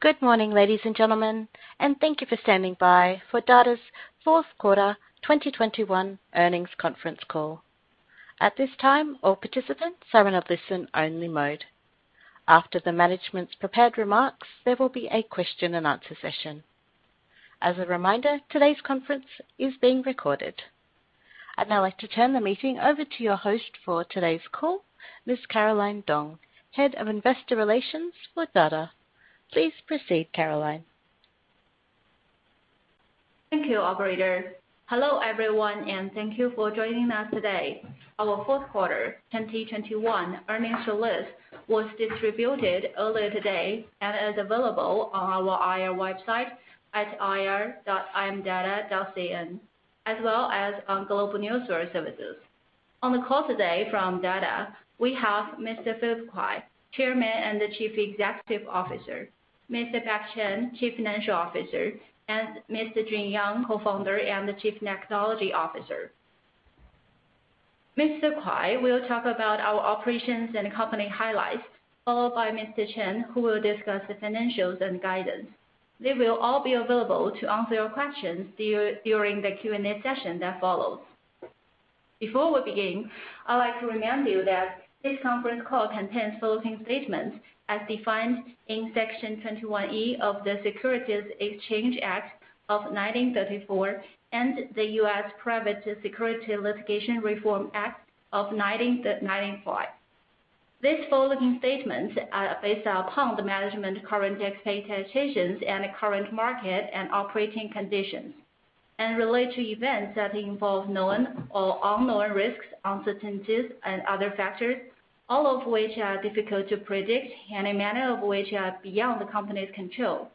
Good morning, ladies and gentlemen, and thank you for standing by for Dada's fourth quarter 2021 earnings conference call. At this time, all participants are in a listen-only mode. After the management's prepared remarks, there will be a question and answer session. As a reminder, today's conference is being recorded. I'd now like to turn the meeting over to your host for today's call, Ms. Caroline Dong, Head of Investor Relations for Dada. Please proceed, Caroline. Thank you, operator. Hello, everyone, and thank you for joining us today. Our fourth quarter 2021 earnings list was distributed earlier today and is available on our IR website at ir.imdada.cn, as well as on global news source services. On the call today from Dada, we have Mr. Philip Kuai, Chairman and Chief Executive Officer, Mr. Beck Chen, Chief Financial Officer, and Mr. Jun Yang, Co-Founder and Chief Technology Officer. Mr. Kuai will talk about our operations and company highlights, followed by Mr. Chen, who will discuss the financials and guidance. They will all be available to answer your questions during the Q&A session that follows. Before we begin, I'd like to remind you that this conference call contains forward-looking statements as defined in Section 21E of the Securities Exchange Act of 1934 and the U.S. Private Securities Litigation Reform Act of 1995. These forward-looking statements are based upon the management's current expectations and current market and operating conditions, and relate to events that involve known or unknown risks, uncertainties, and other factors, all of which are difficult to predict and many of which are beyond the company's control.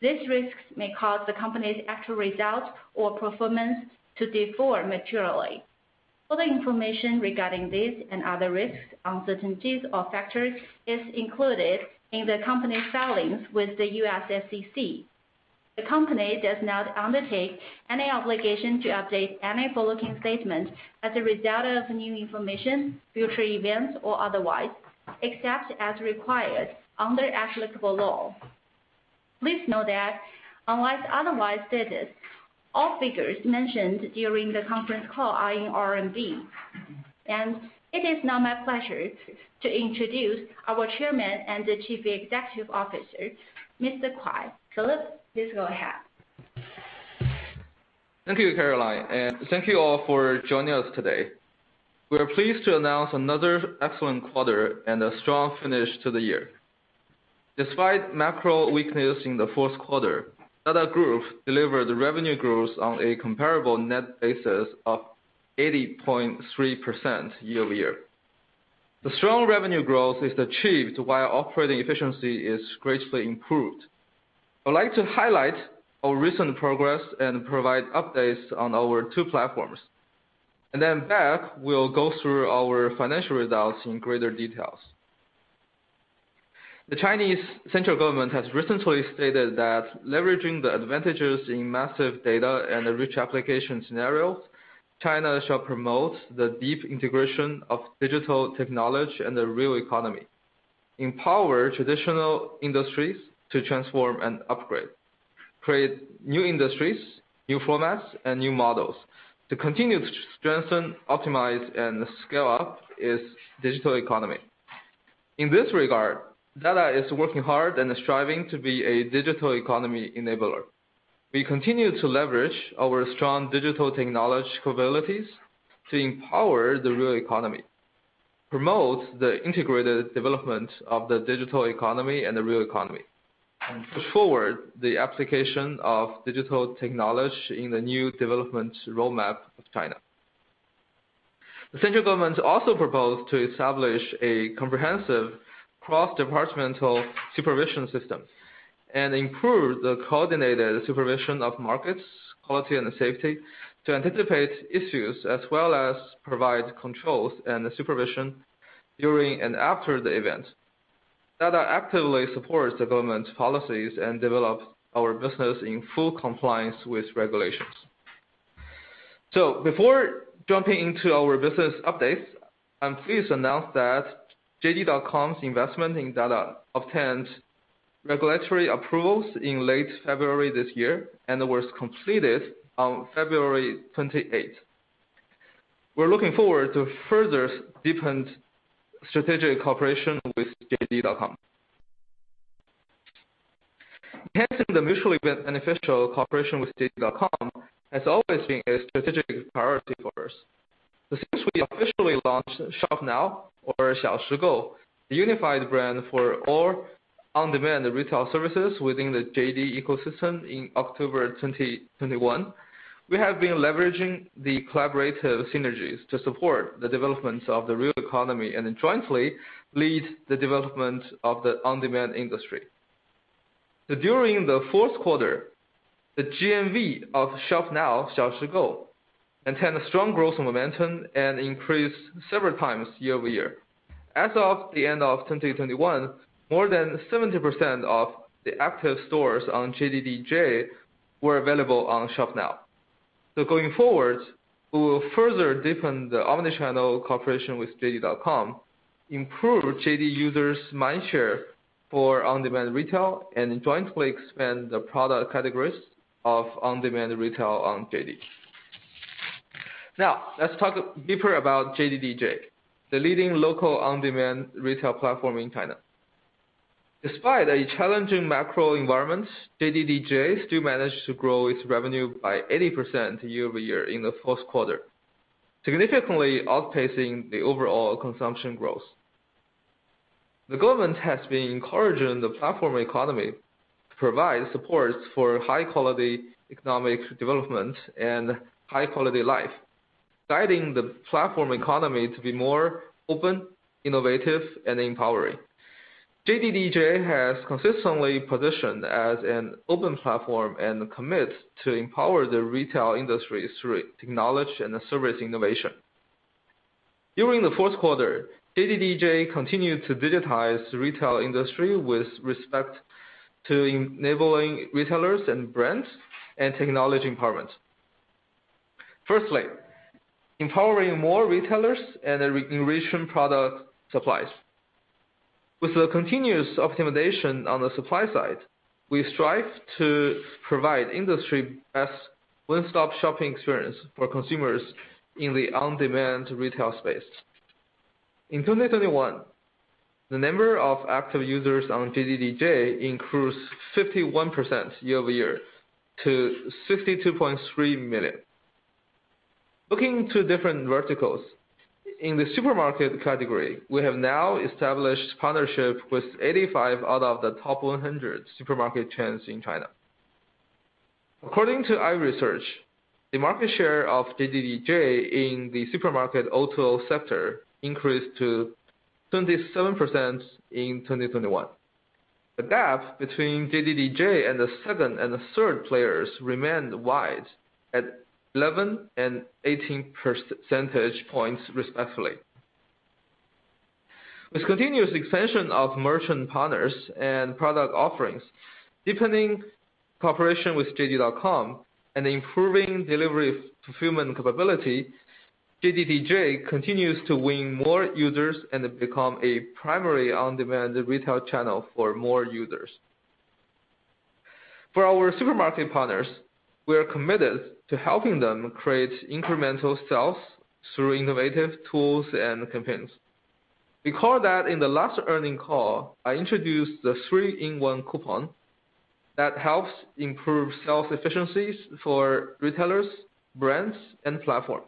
These risks may cause the company's actual results or performance to differ materially. Other information regarding these and other risks, uncertainties, or factors is included in the company's filings with the U.S. SEC. The company does not undertake any obligation to update any forward-looking statements as a result of new information, future events, or otherwise, except as required under applicable law. Please note that unless otherwise stated, all figures mentioned during the conference call are in RMB. It is now my pleasure to introduce our Chairman and Chief Executive Officer, Mr. Kuai. Philip, please go ahead. Thank you, Caroline, and thank you all for joining us today. We are pleased to announce another excellent quarter and a strong finish to the year. Despite macro weakness in the fourth quarter, Dada Group delivered the revenue growth on a comparable net basis of 80.3% year-over-year. The strong revenue growth is achieved while operating efficiency is greatly improved. I'd like to highlight our recent progress and provide updates on our two platforms. Then Beck will go through our financial results in greater details. The Chinese central government has recently stated that leveraging the advantages in massive data and the rich application scenarios, China shall promote the deep integration of digital technology and the real economy, empower traditional industries to transform and upgrade, create new industries, new formats, and new models to continue to strengthen, optimize, and scale up its digital economy. In this regard, Dada is working hard and striving to be a digital economy enabler. We continue to leverage our strong digital technology capabilities to empower the real economy, promote the integrated development of the digital economy and the real economy, and push forward the application of digital technology in the new development roadmap of China. The central government also proposed to establish a comprehensive cross-departmental supervision system and improve the coordinated supervision of markets, quality, and safety to anticipate issues as well as provide controls and supervision during and after the event. Dada actively supports the government's policies and develops our business in full compliance with regulations. Before jumping into our business updates, I'm pleased to announce that JD.com's investment in Dada obtained regulatory approvals in late February this year and was completed on February 28. We're looking forward to further deepen strategic cooperation with JD.com. Enhancing the mutually beneficial cooperation with JD.com has always been a strategic priority for us. Since we officially launched Shop Now or Xiaoshigou, the unified brand for all on-demand retail services within the JD ecosystem in October 2021, we have been leveraging the collaborative synergies to support the developments of the real economy and jointly lead the development of the on-demand industry. During the fourth quarter, the GMV of Shop Now, Xiaoshigou, maintained a strong growth momentum and increased several times year-over-year. As of the end of 2021, more than 70% of the active stores on JDDJ were available on Shop Now. Going forward, we will further deepen the omni-channel cooperation with JD.com, improve JD users' mindshare for on-demand retail, and jointly expand the product categories of on-demand retail on JD. Now, let's talk deeper about JDDJ, the leading local on-demand retail platform in China. Despite a challenging macro environment, JDDJ still managed to grow its revenue by 80% year-over-year in the fourth quarter, significantly outpacing the overall consumption growth. The government has been encouraging the platform economy to provide supports for high quality economic development and high quality life, guiding the platform economy to be more open, innovative, and empowering. JDDJ has consistently positioned as an open platform and commits to empower the retail industry through technology and service innovation. During the fourth quarter, JDDJ continued to digitize the retail industry with respect to enabling retailers and brands and technology empowerment. Firstly, empowering more retailers and enriching product supplies. With the continuous optimization on the supply side, we strive to provide industry-best one-stop shopping experience for consumers in the on-demand retail space. In 2021, the number of active users on JDDJ increased 51% year-over-year to 62.3 million. Looking to different verticals, in the supermarket category, we have now established partnership with 85 out of the top 100 supermarket chains in China. According to our research, the market share of JDDJ in the supermarket O2O sector increased to 27% in 2021. The gap between JDDJ and the second and the third players remained wide, at 11 and 18 percentage points, respectively. With continuous expansion of merchant partners and product offerings, deepening cooperation with JD.com, and improving delivery fulfillment capability, JDDJ continues to win more users and become a primary on-demand retail channel for more users. For our supermarket partners, we are committed to helping them create incremental sales through innovative tools and campaigns. Recall that in the last earnings call, I introduced the three-in-one coupon that helps improve sales efficiencies for retailers, brands, and platform.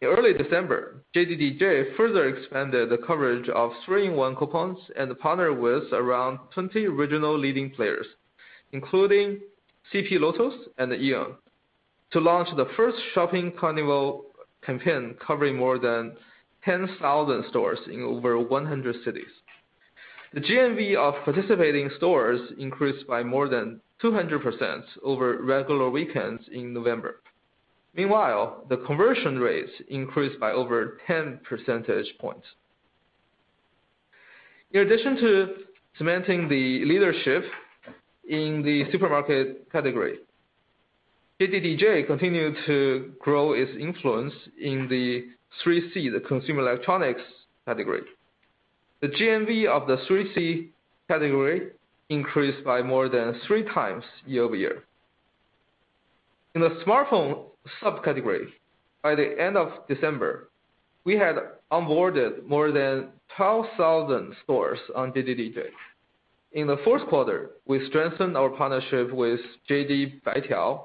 In early December, JDDJ further expanded the coverage of three-in-one coupons and partnered with around 20 regional leading players, including CP Lotus and AEON, to launch the first shopping carnival campaign covering more than 10,000 stores in over 100 cities. The GMV of participating stores increased by more than 200% over regular weekends in November. Meanwhile, the conversion rates increased by over 10 percentage points. In addition to cementing the leadership in the supermarket category, JDDJ continued to grow its influence in the 3C, the consumer electronics category. The GMV of the 3C category increased by more than three times year-over-year. In the smartphone subcategory, by the end of December, we had onboarded more than 12,000 stores on JDDJ. In the fourth quarter, we strengthened our partnership with JD Baitiao,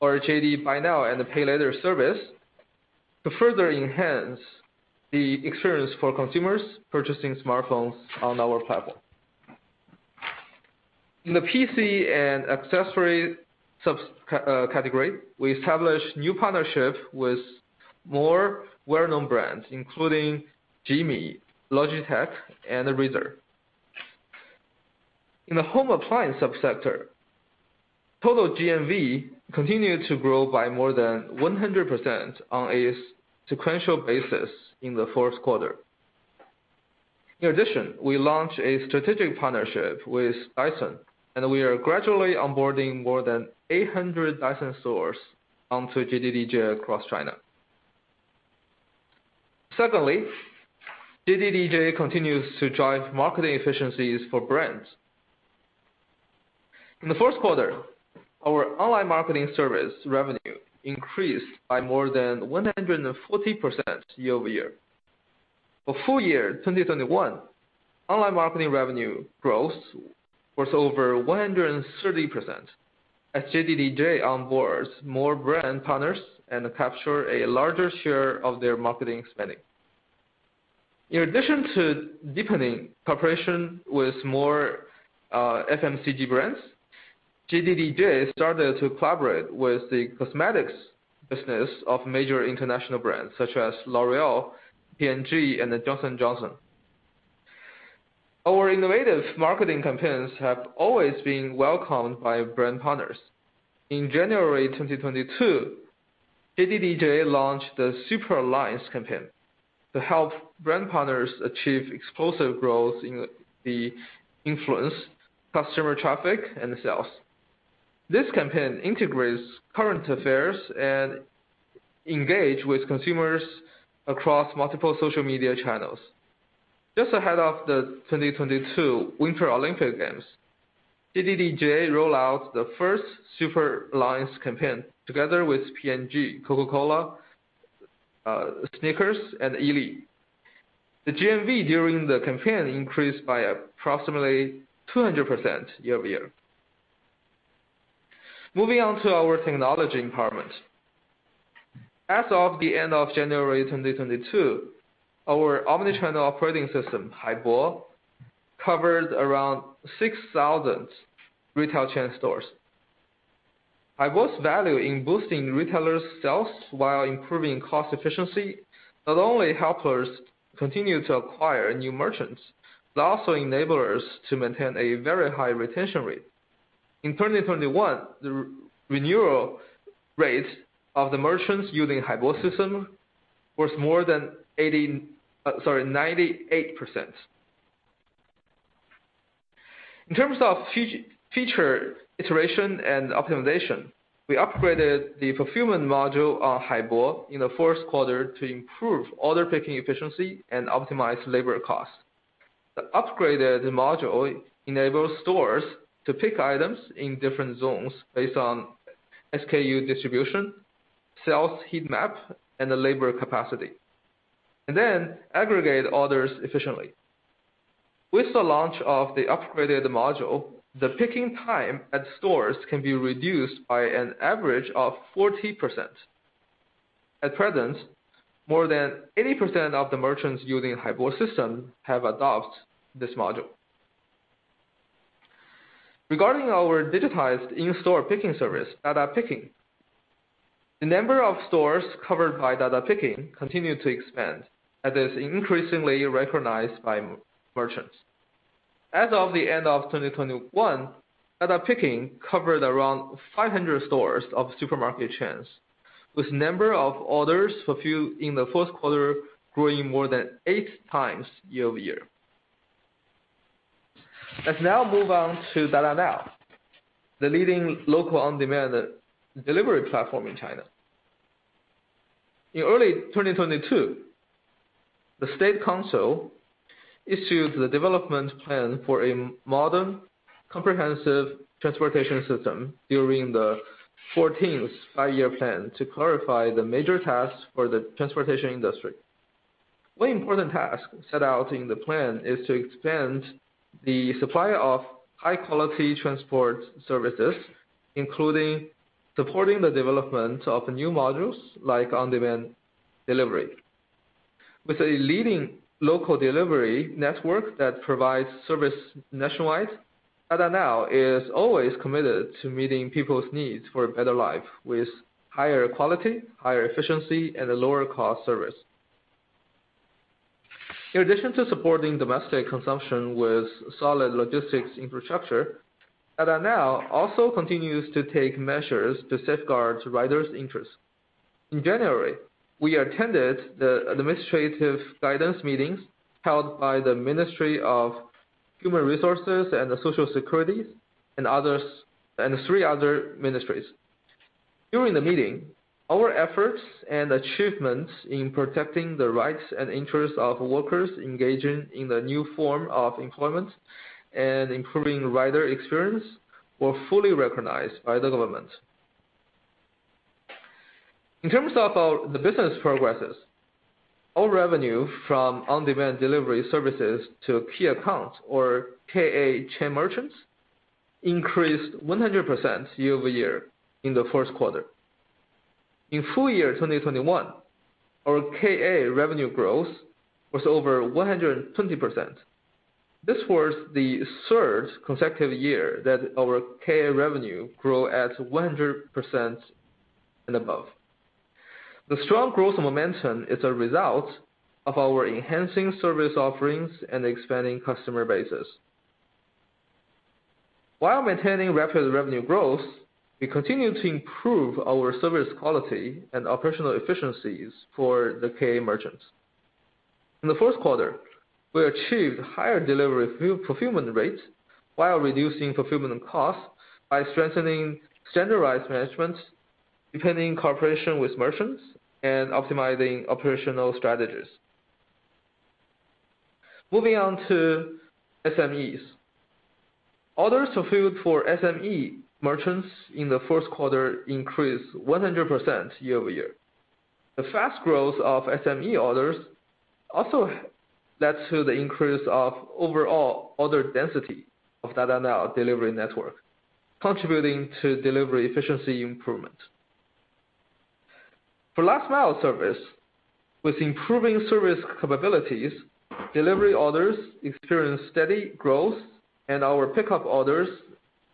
or JD Buy Now and the Pay Later service, to further enhance the experience for consumers purchasing smartphones on our platform. In the PC and accessory category, we established new partnership with more well-known brands, including Gome, Logitech and Razer. In the home appliance subsector, total GMV continued to grow by more than 100% on a sequential basis in the fourth quarter. In addition, we launched a strategic partnership with Dyson, and we are gradually onboarding more than 800 Dyson stores onto JDDJ across China. Secondly, JDDJ continues to drive marketing efficiencies for brands. In the first quarter, our online marketing service revenue increased by more than 140% year-over-year. For full year 2021, online marketing revenue growth was over 130% as JDDJ onboards more brand partners and capture a larger share of their marketing spending. In addition to deepening cooperation with more FMCG brands, JDDJ started to collaborate with the cosmetics business of major international brands such as L'Oréal, P&G, and Johnson & Johnson. Our innovative marketing campaigns have always been welcomed by brand partners. In January 2022, JDDJ launched the Super Alliance campaign to help brand partners achieve explosive growth in the influence, customer traffic, and sales. This campaign integrates current affairs and engage with consumers across multiple social media channels. Just ahead of the 2022 Winter Olympic Games, JDDJ roll out the first Super Alliance campaign together with P&G, Coca-Cola, Snickers, and Yili. The GMV during the campaign increased by approximately 200% year-over-year. Moving on to our technology empowerment. As of the end of January 2022, our omni-channel operating system, Haibo, covered around 6,000 retail chain stores. Haibo's value in boosting retailers sales while improving cost efficiency not only help us continue to acquire new merchants, but also enable us to maintain a very high retention rate. In 2021, the renewal rate of the merchants using Haibo system was more than 98%. In terms of feature iteration and optimization, we upgraded the fulfillment module on Haibo in the first quarter to improve order picking efficiency and optimize labor cost. The upgraded module enables stores to pick items in different zones based on SKU distribution, sales heat map, and the labor capacity, and then aggregate orders efficiently. With the launch of the upgraded module, the picking time at stores can be reduced by an average of 40%. At present, more than 80% of the merchants using Haibo system have adopted this module. Regarding our digitized in-store picking service, Dada Picking, the number of stores covered by Dada Picking continued to expand, and is increasingly recognized by merchants. As of the end of 2021, Dada Picking covered around 500 stores of supermarket chains, with number of orders fulfilled in the first quarter growing more than 8 times year-over-year. Let's now move on to Dada Now, the leading local on-demand delivery platform in China. In early 2022, the State Council issued the development plan for a modern, comprehensive transportation system during the Fourteenth Five-Year Plan to clarify the major tasks for the transportation industry. One important task set out in the plan is to expand the supply of high-quality transport services, including supporting the development of new modules like on-demand delivery. With a leading local delivery network that provides service nationwide, Dada Now is always committed to meeting people's needs for a better life with higher quality, higher efficiency, and a lower cost service. In addition to supporting domestic consumption with solid logistics infrastructure, Dada Now also continues to take measures to safeguard riders' interests. In January, we attended the administrative guidance meetings held by the Ministry of Human Resources and Social Security, and three other ministries. During the meeting, our efforts and achievements in protecting the rights and interests of workers engaging in the new form of employment and improving rider experience were fully recognized by the government. In terms of the business progresses, our revenue from on-demand delivery services to key accounts or KA chain merchants increased 100% year-over-year in the first quarter. In full year 2021, our KA revenue growth was over 120%. This was the third consecutive year that our KA revenue grow at 100% and above. The strong growth momentum is a result of our enhancing service offerings and expanding customer bases. While maintaining rapid revenue growth, we continue to improve our service quality and operational efficiencies for the KA merchants. In the first quarter, we achieved higher delivery fulfillment rates while reducing fulfillment costs by strengthening standardized management, deepening cooperation with merchants, and optimizing operational strategies. Moving on to SMEs. Orders fulfilled for SME merchants in the first quarter increased 100% year-over-year. The fast growth of SME orders also led to the increase of overall order density of Dada Now delivery network, contributing to delivery efficiency improvement. For last mile service, with improving service capabilities, delivery orders experienced steady growth, and our pickup orders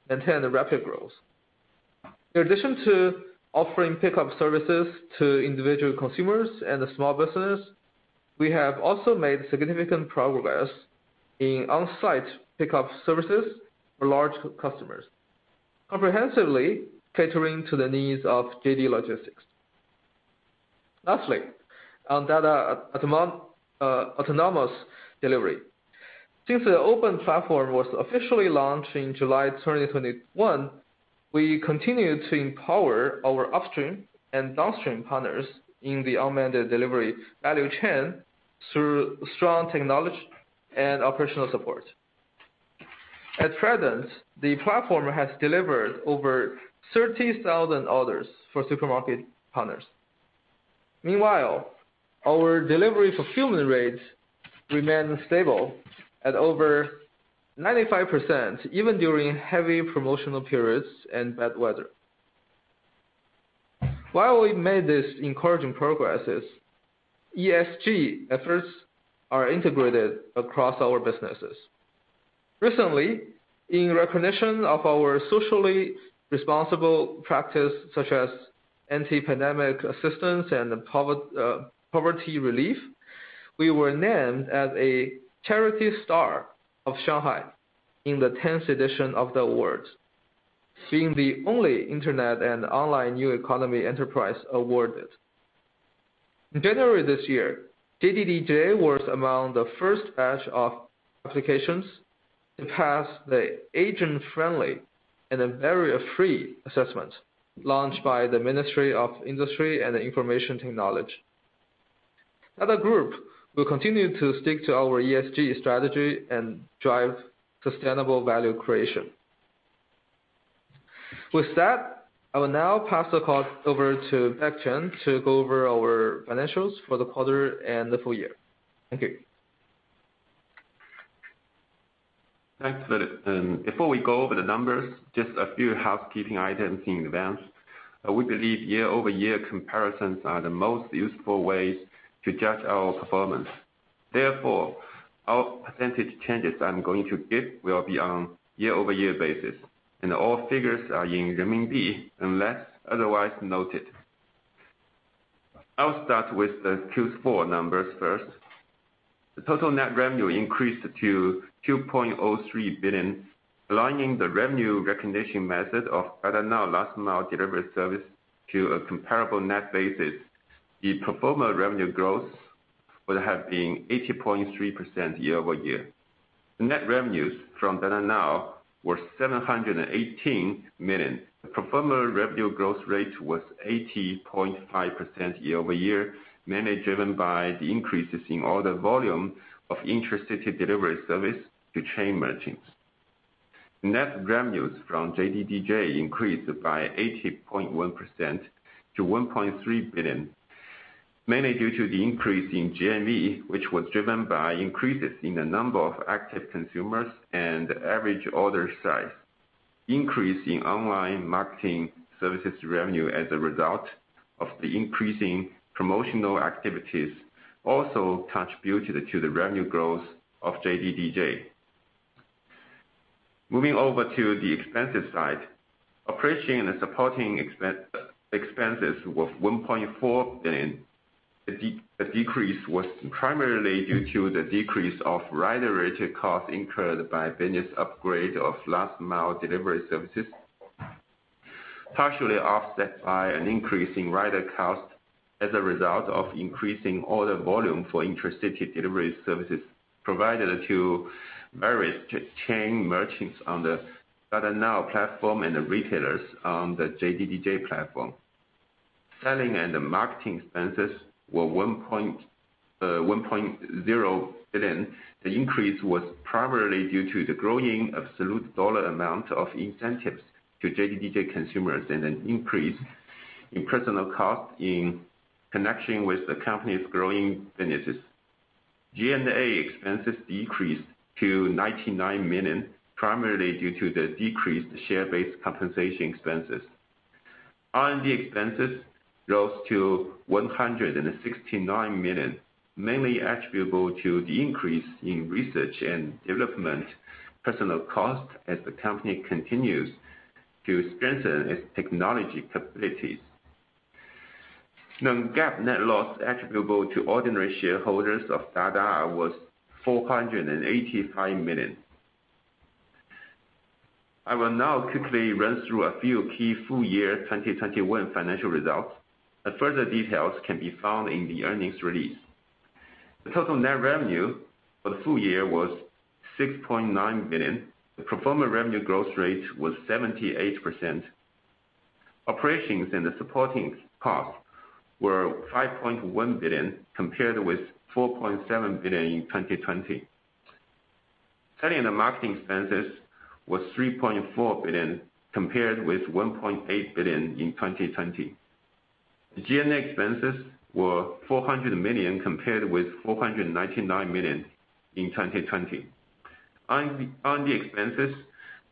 maintained a rapid growth. In addition to offering pickup services to individual consumers and the small business, we have also made significant progress in on-site pickup services for large customers, comprehensively catering to the needs of JD Logistics. Lastly, on autonomous delivery. Since the open platform was officially launched in July 2021, we continued to empower our upstream and downstream partners in the unmanned delivery value chain through strong technology and operational support. At present, the platform has delivered over 30,000 orders for supermarket partners. Meanwhile, our delivery fulfillment rates remain stable at over 95% even during heavy promotional periods and bad weather. While we've made these encouraging progresses, ESG efforts are integrated across our businesses. Recently, in recognition of our socially responsible practice, such as anti-pandemic assistance and poverty relief, we were named as a Charity Star of Shanghai in the tenth edition of the awards, being the only internet and online new economy enterprise awarded. In January this year, JDDJ was among the first batch of applications to pass the agent-friendly and a barrier-free assessment launched by the Ministry of Industry and Information Technology. As a group, we'll continue to stick to our ESG strategy and drive sustainable value creation. With that, I will now pass the call over to Beck Chen to go over our financials for the quarter and the full year. Thank you. Thanks for that. Before we go over the numbers, just a few housekeeping items in advance. We believe year-over-year comparisons are the most useful ways to judge our performance. Therefore, all percentage changes I'm going to give will be on year-over-year basis, and all figures are in renminbi unless otherwise noted. I'll start with the Q4 numbers first. The total net revenue increased to 2.03 billion, aligning the revenue recognition method of Dada Now last mile delivery service to a comparable net basis. The pro forma revenue growth would have been 80.3% year-over-year. The net revenues from Dada Now were 718 million. The pro forma revenue growth rate was 80.5% year-over-year, mainly driven by the increases in order volume of intracity delivery service to chain merchants. Net revenues from JDDJ increased by 80.1% to 1.3 billion, mainly due to the increase in GMV, which was driven by increases in the number of active consumers and average order size. Increase in online marketing services revenue as a result of the increasing promotional activities also contributed to the revenue growth of JDDJ. Moving over to the expenses side. Operating and supporting expenses was 1.4 billion. The decrease was primarily due to the decrease of rider-related costs incurred by business upgrade of last mile delivery services, partially offset by an increase in rider costs as a result of increasing order volume for intracity delivery services provided to various chain merchants on the Dada Now platform and the retailers on the JDDJ platform. Selling and marketing expenses were 1.0 billion. The increase was primarily due to the growing absolute dollar amount of incentives to JDDJ consumers and an increase in personnel costs in connection with the company's growing businesses. G&A expenses decreased to 99 million, primarily due to the decreased share-based compensation expenses. R&D expenses rose to 169 million, mainly attributable to the increase in research and development personnel costs as the company continues to strengthen its technology capabilities. Non-GAAP net loss attributable to ordinary shareholders of Dada was 485 million. I will now quickly run through a few key full year 2021 financial results, and further details can be found in the earnings release. The total net revenue for the full year was 6.9 billion. The pro forma revenue growth rate was 78%. Operations and the supporting costs were 5.1 billion, compared with 4.7 billion in 2020. Selling and marketing expenses was 3.4 billion, compared with 1.8 billion in 2020. The G&A expenses were 400 million, compared with 499 million in 2020. R&D expenses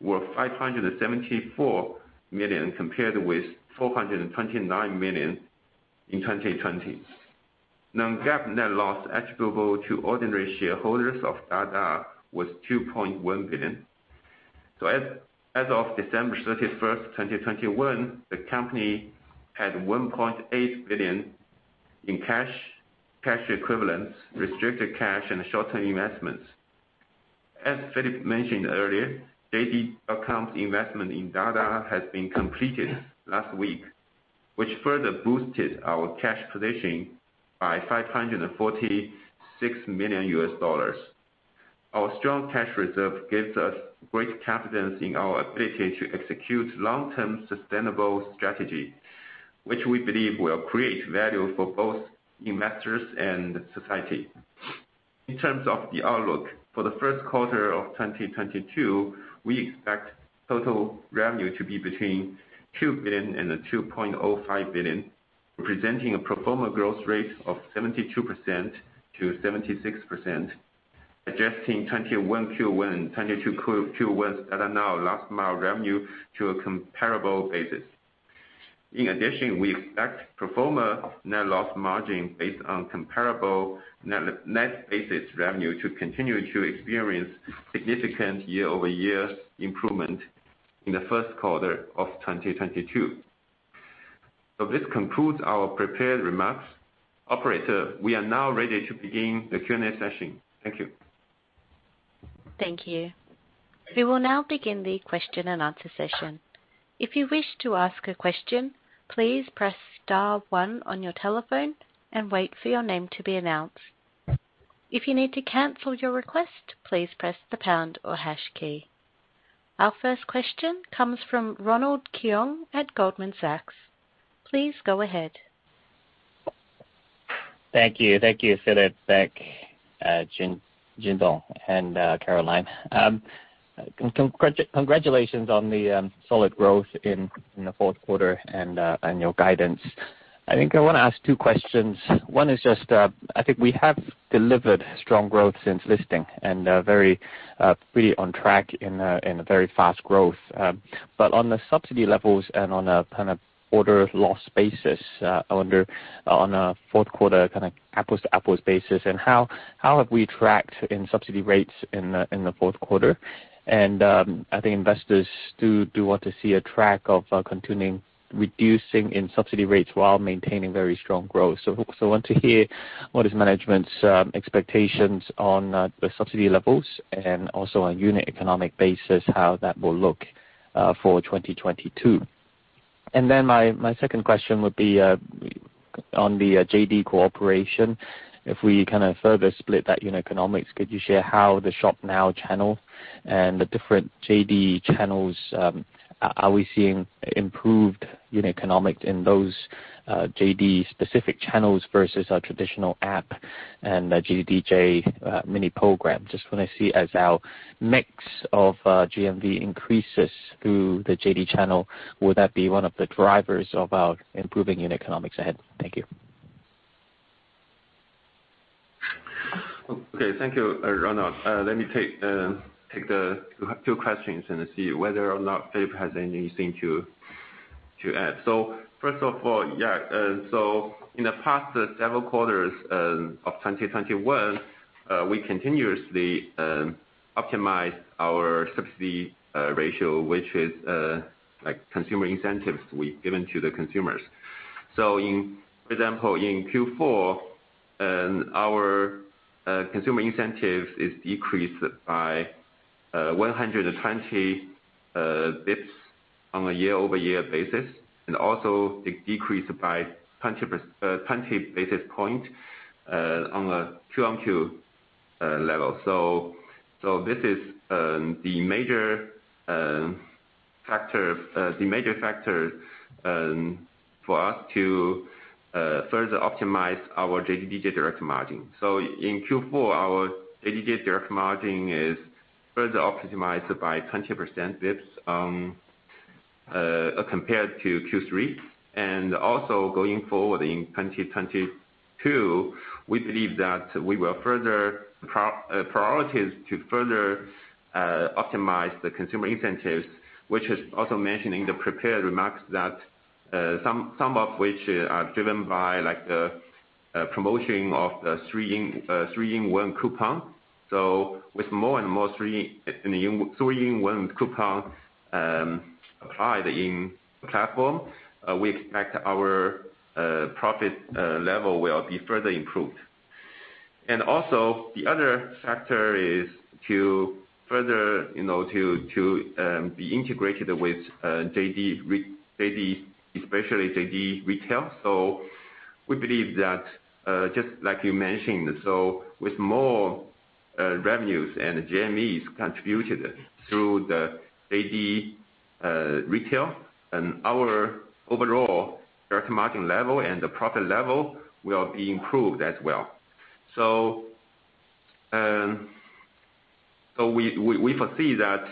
were 574 million, compared with 429 million in 2020. Non-GAAP net loss attributable to ordinary shareholders of Dada was 2.1 billion. As of December 31, 2021, the company had 1.8 billion in cash equivalents, restricted cash, and short-term investments. As Philip mentioned earlier, JD additional investment in Dada has been completed last week, which further boosted our cash position by $546 million. Our strong cash reserve gives us great confidence in our ability to execute long-term sustainable strategy, which we believe will create value for both investors and society. In terms of the outlook for the first quarter of 2022, we expect total revenue to be between 2 billion and 2.05 billion, representing a pro forma growth rate of 72%-76%, adjusting 2021 Q1 and 2022 Q1 Dada Now last mile revenue to a comparable basis. In addition, we expect pro forma net loss margin based on comparable net basis revenue to continue to experience significant year-over-year improvement in the first quarter of 2022. This concludes our prepared remarks. Operator, we are now ready to begin the Q&A session. Thank you. Thank you. We will now begin the question-and-answer session. If you wish to ask a question, please press star one on your telephone and wait for your name to be announced. If you need to cancel your request, please press the pound or hash key. Our first question comes from Ronald Keung at Goldman Sachs. Please go ahead. Thank you. Thank you, Philip, Beck, Jun Yang, and Caroline. Congratulations on the solid growth in the fourth quarter and annual guidance. I think I want to ask two questions. One is just, I think we have delivered strong growth since listing and very pretty on track in a very fast growth. But on the subsidy levels and on a kind of order loss basis, I wonder on a fourth quarter kind of apples-to-apples basis and how have we tracked in subsidy rates in the fourth quarter. I think investors do want to see a track of continuing reducing in subsidy rates while maintaining very strong growth. Want to hear what is management's expectations on the subsidy levels and also on unit economic basis, how that will look for 2022. Then my second question would be on the JD cooperation. If we kinda further split that unit economics, could you share how the Shop Now channel and the different JD channels are we seeing improved unit economics in those JD specific channels versus our traditional app and the JDDJ mini program? Just wanna see as our mix of GMV increases through the JD channel, would that be one of the drivers of our improving unit economics ahead? Thank you. Okay, thank you, Ronald. Let me take the two questions and see whether or not Philip has anything to add. First of all, in the past several quarters of 2021, we continuously optimized our subsidy ratio, which is like consumer incentives we've given to the consumers. In example, in Q4, our consumer incentives is decreased by 120 basis points on a year-over-year basis, and also decreased by 20 basis points on a Q-on-Q level. This is the major factor for us to further optimize our JDDJ direct margin. In Q4, our JDDJ direct margin is further optimized by 20 basis points compared to Q3. Going forward in 2022, we believe that we will further prioritize to further optimize the consumer incentives, which is also mentioned in the prepared remarks that some of which are driven by, like, promotion of the three-in-one coupon. With more and more three-in-one coupon applied in platform, we expect our profit level will be further improved. The other factor is to further, you know, to be integrated with JD, especially JD Retail. We believe that just like you mentioned, with more revenues and GMVs contributed through the JD Retail and our overall direct marketing level and the profit level will be improved as well. We foresee that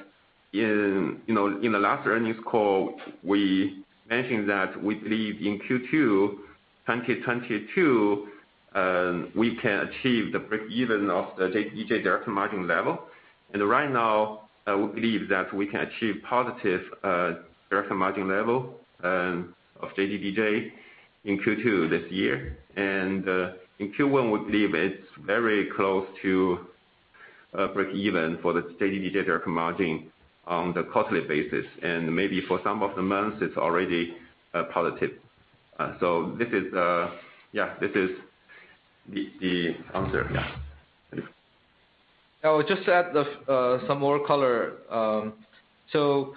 in, you know, in the last earnings call, we mentioned that we believe in Q2 2022 we can achieve the breakeven of the JDDJ direct margin level. Right now, we believe that we can achieve positive direct margin level of JDDJ in Q2 this year. In Q1, we believe it's very close to breakeven for the JDDJ's margin on the quarterly basis, and maybe for some of the months, it's already positive. This is the answer. Yeah. Yeah. I would just add some more color, so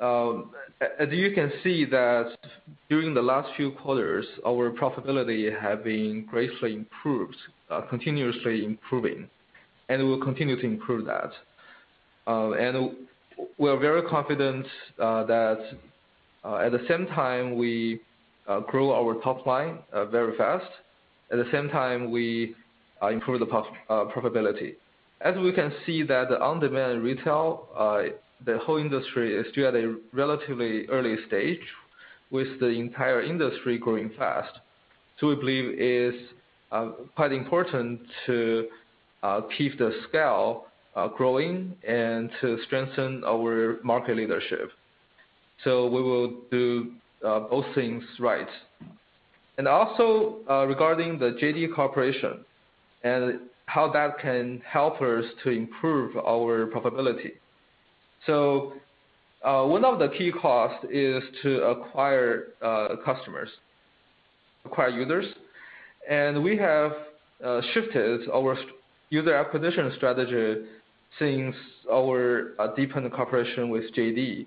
as you can see that during the last few quarters, our profitability have been greatly improved, continuously improving, and we'll continue to improve that. We're very confident that at the same time, we grow our top line very fast, at the same time, we improve the profitability. As we can see that the on-demand retail, the whole industry is still at a relatively early stage with the entire industry growing fast. We believe it is quite important to keep the scale growing and to strengthen our market leadership. We will do both things right. Also, regarding the JD cooperation and how that can help us to improve our profitability. One of the key costs is to acquire customers and users. We have shifted our user acquisition strategy since we deepened the cooperation with JD.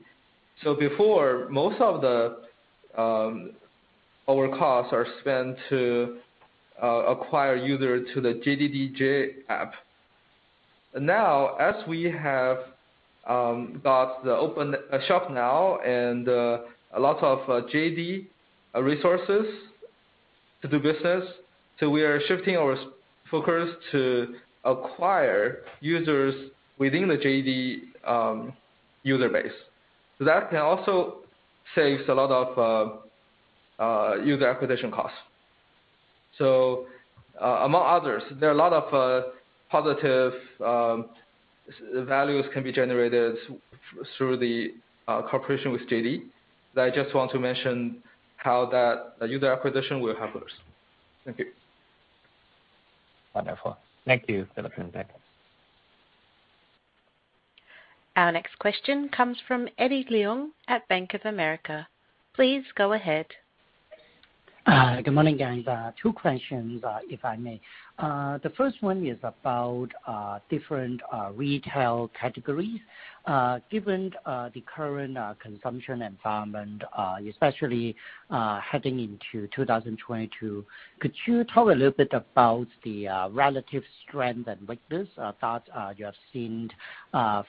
Before, most of our costs are spent to acquire users to the JDDJ app. Now, as we have got the open Shop Now and a lot of JD resources to do business, we are shifting our focus to acquire users within the JD user base. That can also saves a lot of user acquisition costs. Among others, there are a lot of positive values can be generated through the cooperation with JD that I just want to mention how that user acquisition will help us. Thank you. Wonderful. Thank you, Philip and Beck. Our next question comes from Eddie Leung at Bank of America. Please go ahead. Good morning, guys. Two questions, if I may. The first one is about different retail categories. Given the current consumption environment, especially heading into 2022, could you talk a little bit about the relative strength and weakness that you have seen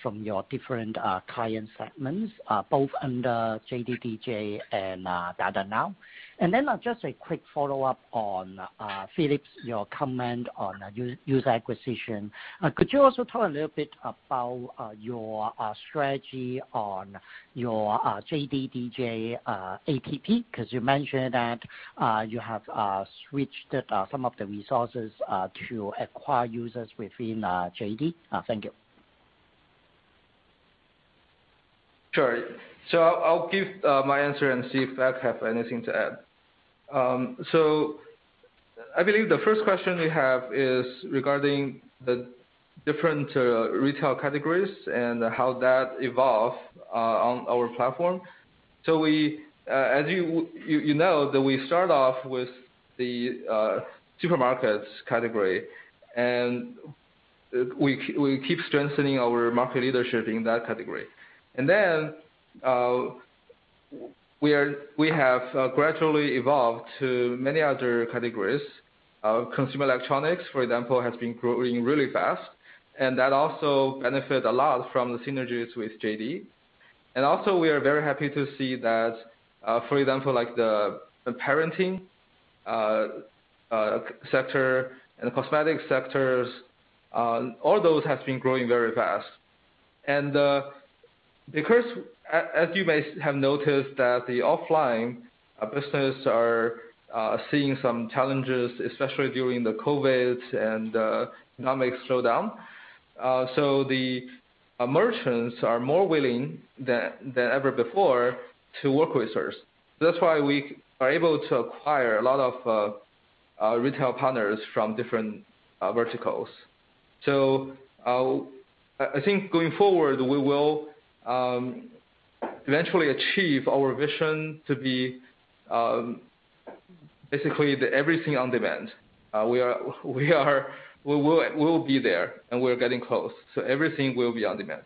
from your different client segments, both under JDDJ and Dada Now? Just a quick follow-up on Philip's comment on user acquisition. Could you also talk a little bit about your strategy on your JDDJ app? 'Cause you mentioned that you have switched some of the resources to acquire users within JD. Thank you. Sure. I'll give my answer and see if Philip Kuai have anything to add. I believe the first question you have is regarding the different retail categories and how that evolve on our platform. As you know that we start off with the supermarkets category, and we keep strengthening our market leadership in that category. We have gradually evolved to many other categories. Consumer electronics, for example, has been growing really fast, and that also benefit a lot from the synergies with JD. We are very happy to see that, for example, like the parenting sector and the cosmetics sector, all those have been growing very fast. Because as you may have noticed that the offline business are seeing some challenges, especially during the COVID and economic slowdown. The merchants are more willing than ever before to work with us. That's why we are able to acquire a lot of retail partners from different verticals. I think going forward, we will eventually achieve our vision to be basically the everything on demand. We will be there, and we're getting close, so everything will be on demand.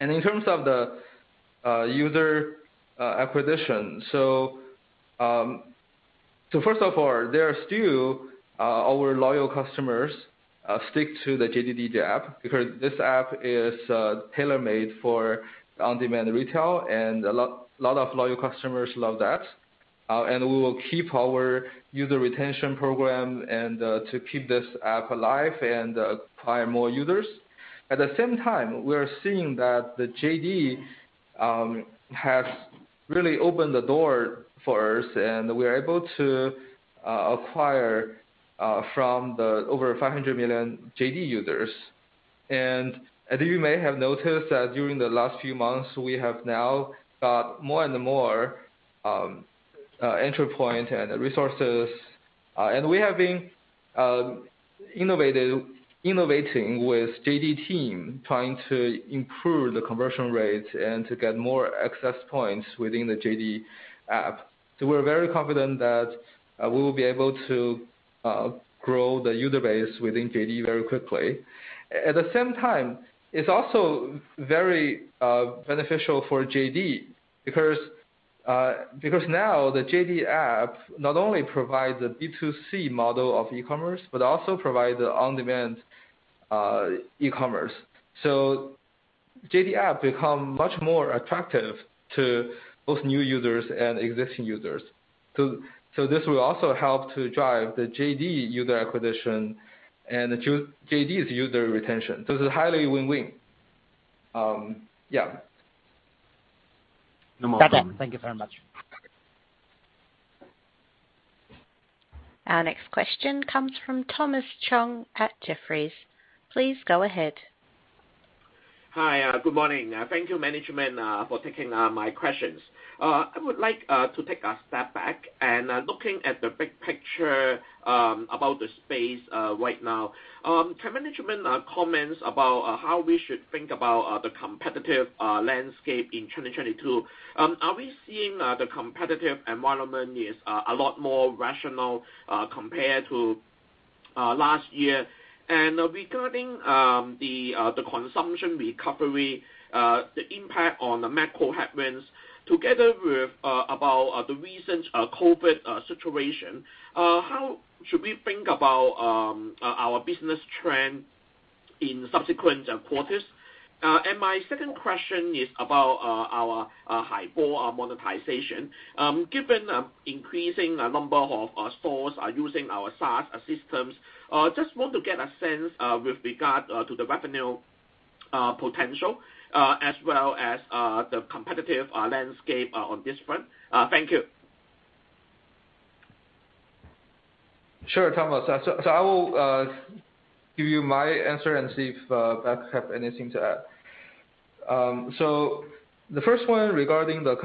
In terms of the user acquisition. First of all, there are still our loyal customers stick to the JDDJ app because this app is tailor-made for on-demand retail and a lot of loyal customers love that. We will keep our user retention program and to keep this app alive and acquire more users. At the same time, we are seeing that the JD has really opened the door for us, and we're able to acquire from the over 500 million JD users. As you may have noticed that during the last few months, we have now got more and more entry point and resources. We have been innovating with JD team, trying to improve the conversion rate and to get more access points within the JD app. We're very confident that we will be able to grow the user base within JD very quickly. At the same time, it's also very beneficial for JD because now the JD app not only provides a B2C model of e-commerce, but also provides on-demand e-commerce. JD app become much more attractive to both new users and existing users. This will also help to drive the JD user acquisition and the JD's user retention. It's highly win-win. Yeah. No add on. Got it. Thank you very much. Okay. Our next question comes from Thomas Chong at Jefferies. Please go ahead. Hi. Good morning. Thank you, management, for taking my questions. I would like to take a step back and looking at the big picture about the space right now. Can management comments about how we should think about the competitive landscape in 2022? Are we seeing the competitive environment is a lot more rational compared to last year? Regarding the consumption recovery, the impact on the macro headwinds together with about the recent COVID situation, how should we think about our business trend in subsequent quarters? My second question is about our Haibo monetization. Given the increasing number of stores are using our SaaS systems, just want to get a sense with regard to the revenue potential as well as the competitive landscape on this front. Thank you. Sure, Thomas. I will give you my answer and see if Beck have anything to add. The first one regarding the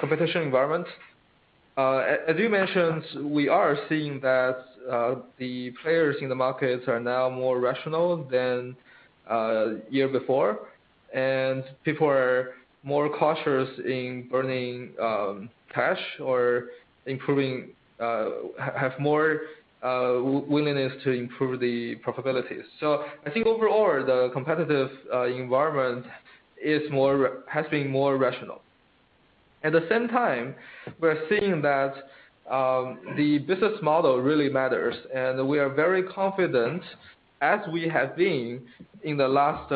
competition environment. As you mentioned, we are seeing that the players in the markets are now more rational than year before, and people are more cautious in burning cash or have more willingness to improve the profitability. I think overall, the competitive environment has been more rational. At the same time, we're seeing that the business model really matters, and we are very confident, as we have been in the last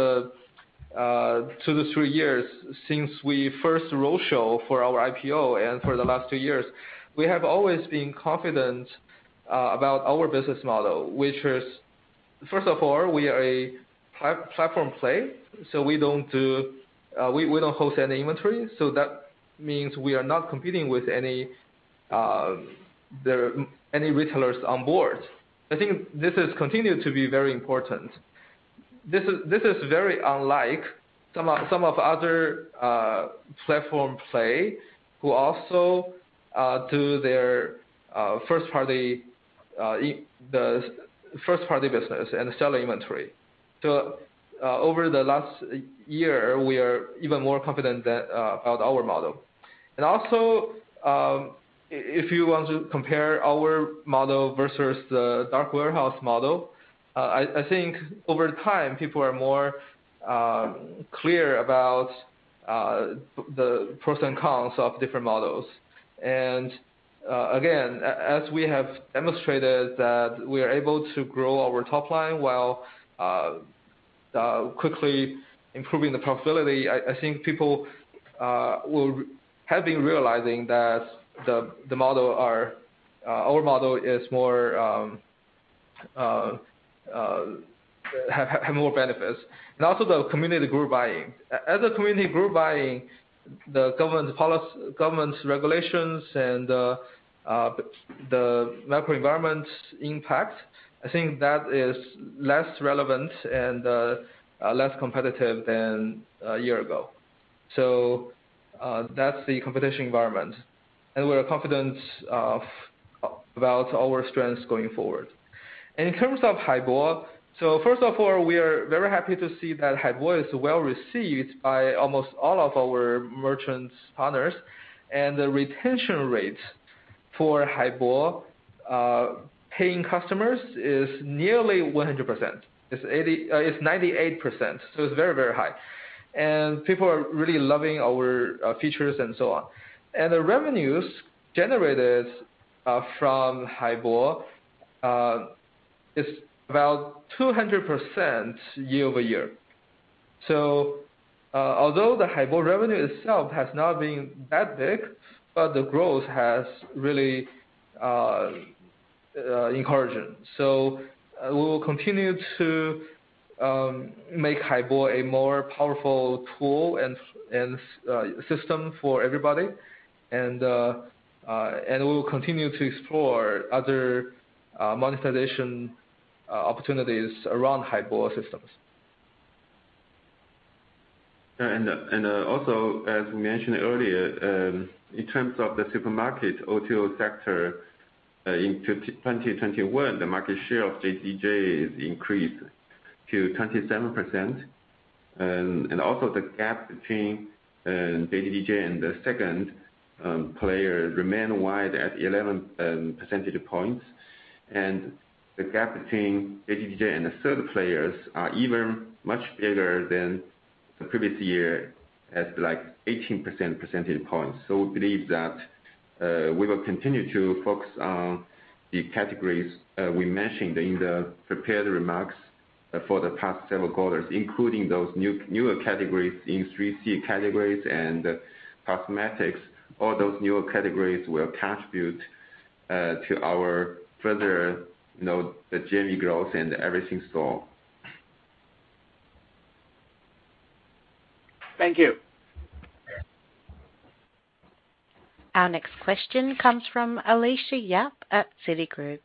two to three years since we first roadshow for our IPO and for the last two years. We have always been confident about our business model, which is, first of all, we are a platform play, so we don't host any inventory, so that means we are not competing with any retailers on board. I think this has continued to be very important. This is very unlike some other platform play who also do their first party business and sell inventory. Over the last year, we are even more confident about our model. If you want to compare our model versus the dark store model, I think over time, people are more clear about the pros and cons of different models. again, as we have demonstrated that we are able to grow our top line while quickly improving the profitability, I think people will have been realizing that our model has more benefits. also the community group buying. as a community group buying, the government's regulations and the macro environment impact, I think that is less relevant and less competitive than a year ago. that's the competition environment, and we're confident about our strengths going forward. In terms of Haibo, first of all, we are very happy to see that Haibo is well received by almost all of our merchants partners, and the retention rates for Haibo paying customers is nearly 100%. It's eighty... It's 98%, so it's very, very high. People are really loving our features and so on. The revenues generated from Haibo is about 200% year-over-year. Although the Haibo revenue itself has not been that big, but the growth has really encouraging. We will continue to make Haibo a more powerful tool and system for everybody. We'll continue to explore other monetization opportunities around Haibo systems. Also, as we mentioned earlier, in terms of the supermarket O2O sector, in 2021, the market share of JDDJ increased to 27%. The gap between JDDJ and the second player remained wide at 11 percentage points. The gap between JDDJ and the third players are even much bigger than the previous year at, like, 18 percentage points. We believe that we will continue to focus on the categories we mentioned in the prepared remarks for the past several quarters, including those new, newer categories in 3C categories and cosmetics. All those newer categories will contribute to our further, you know, the GMV growth and everything sold. Thank you. Our next question comes from Alicia Yap at Citigroup.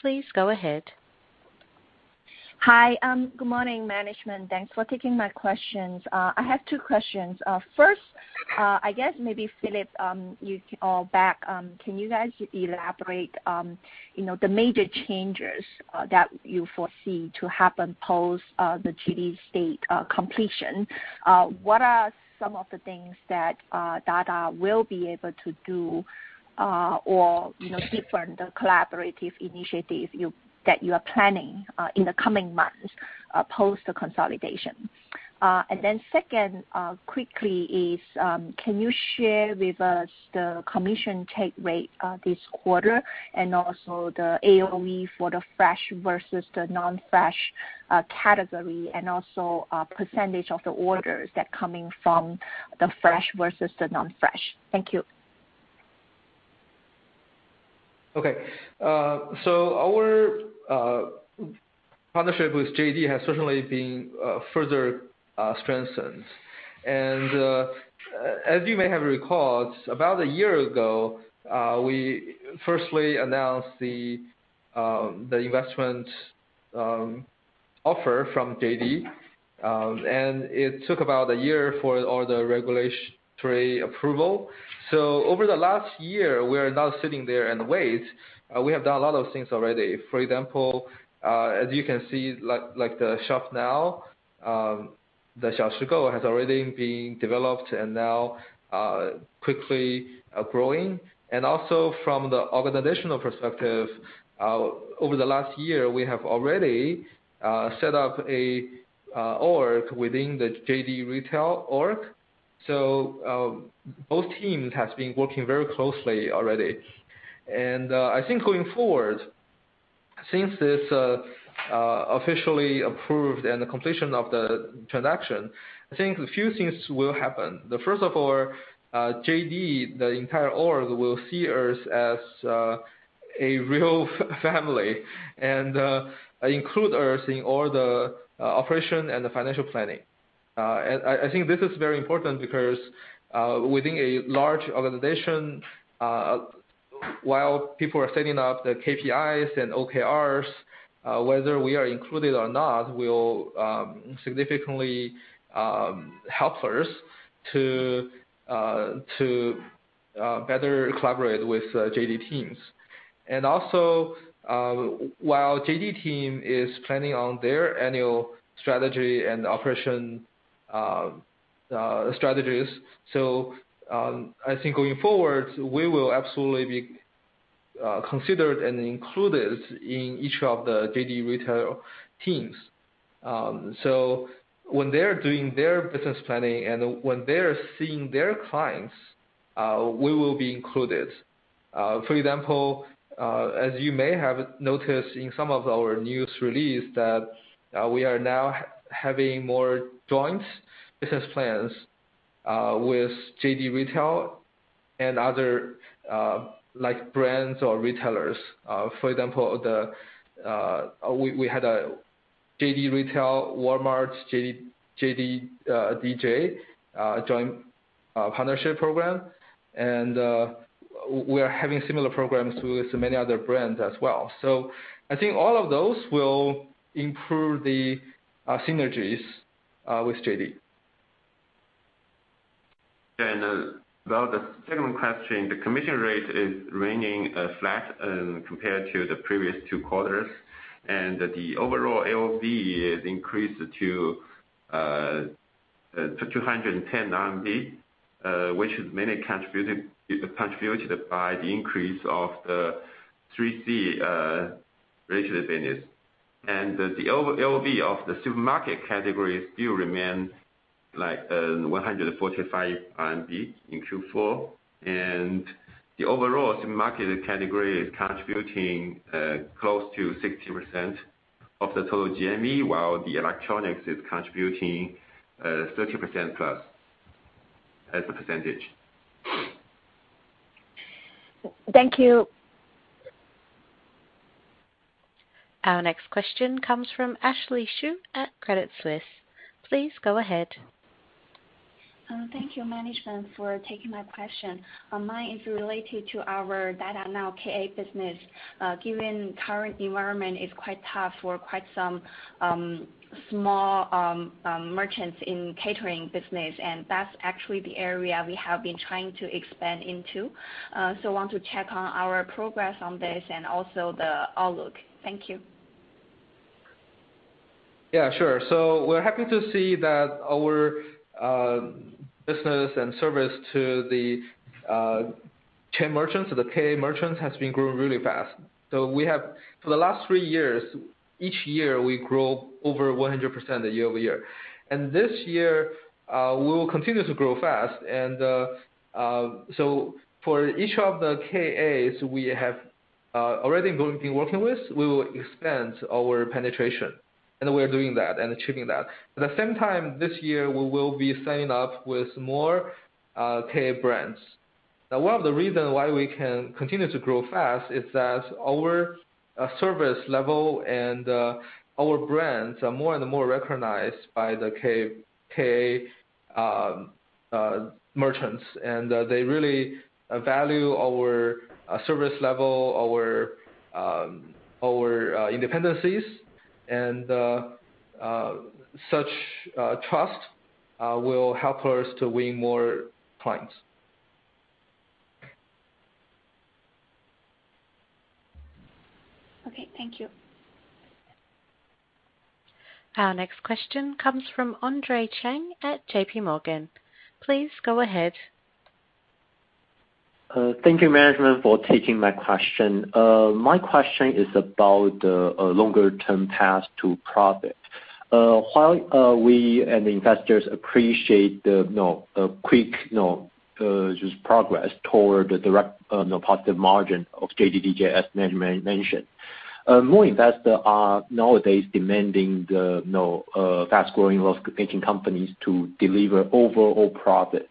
Please go ahead. Hi. Good morning, management. Thanks for taking my questions. I have two questions. First, I guess maybe Philip or Beck, can you guys elaborate, you know, the major changes that you foresee to happen post the JD stake completion? What are some of the things that Dada will be able to do or, you know, different collaborative initiatives that you are planning in the coming months post the consolidation? Second, quickly, can you share with us the commission take rate this quarter, and also the AOV for the fresh versus the non-fresh category, and also percentage of the orders that coming from the fresh versus the non-fresh? Thank you. Okay. Our partnership with JD has certainly been further strengthened. As you may have recalled, about a year ago, we firstly announced the investment offer from JD, and it took about a year for all the regulatory approval. Over the last year, we are now sitting there and wait. We have done a lot of things already. For example, as you can see, like the Shop Now, the Xiaoshigou has already been developed and now quickly growing. Also from the organizational perspective, over the last year, we have already set up a org within the JD Retail org. Both teams has been working very closely already. I think going forward, since this officially approved and the completion of the transaction, I think a few things will happen. First of all, JD, the entire org, will see us as a real family and include us in all the operation and the financial planning. I think this is very important because within a large organization, while people are setting up the KPIs and OKRs, whether we are included or not will significantly help us to better collaborate with JD teams. Also, while JD team is planning on their annual strategy and operation strategies, I think going forward, we will absolutely be considered and included in each of the JD Retail teams. When they're doing their business planning and when they're seeing their clients, we will be included. For example, as you may have noticed in some of our news release that, we are now having more joint business plans with JD Retail and other, like, brands or retailers. For example, we had a JD Retail, Walmart, JDDJ joint partnership program, and we are having similar programs with many other brands as well. I think all of those will improve the synergies with JD. About the second question, the commission rate is remaining flat compared to the previous 2 quarters. The overall AOV is increased to 210 RMB, which is mainly contributed by the increase of the 3C related business. The O2O AOV of the supermarket category still remains RMB 145 in Q4. The overall supermarket category is contributing close to 60% of the total GMV, while the electronics is contributing 30%+ as a percentage. Thank you. Our next question comes from Ashley Xu at Credit Suisse. Please go ahead. Thank you, management, for taking my question. My question is related to our Dada Now KA business. Given current environment is quite tough for quite some small merchants in catering business, and that's actually the area we have been trying to expand into. Want to check on our progress on this and also the outlook. Thank you. Yeah, sure. We're happy to see that our business and service to the chain merchants, to the KA merchants, has been growing really fast. We have for the last three years, each year we grow over 100% year-over-year. This year we will continue to grow fast so for each of the KAs we have already been working with, we will expand our penetration, and we are doing that and achieving that. At the same time, this year, we will be signing up with more KA brands. Now, one of the reasons why we can continue to grow fast is that our service level and our brands are more and more recognized by the KA merchants. They really value our service level, our independence, and such trust will help us to win more clients. Okay, thank you. Our next question comes from Andre Chang at JPMorgan. Please go ahead. Thank you, management, for taking my question. My question is about a longer term path to profit. While we and the investors appreciate the, you know, quick, you know, just progress toward the direct, you know, positive margin of JDDJ's as management mentioned. More investors are nowadays demanding the, you know, fast-growing growth-seeking companies to deliver overall profit.